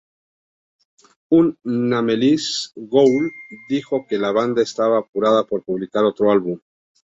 Un Nameless Ghoul dijo que la banda estaba apurada por publicar otro álbum.